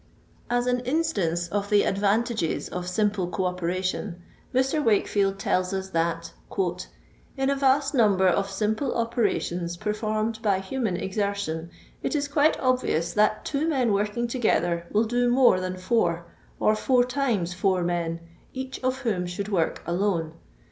As an instance of the advantages of 'Simple co operation," Mr. Wakefield tells us that " in a Tast number of simple operations performed by human exertion, it is quite obvious that two men working together will do more than four, or fonr thnes four men, each of whom should work alone.